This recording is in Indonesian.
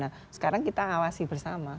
nah sekarang kita awasi bersama